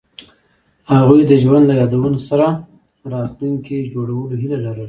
هغوی د ژوند له یادونو سره راتلونکی جوړولو هیله لرله.